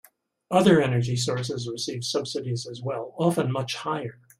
Other energy sources receive subsidies as well, often much higher.